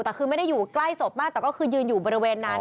แต่คือไม่ได้อยู่ใกล้ศพมากก็คืออยู่สมบินบริเวณนั้น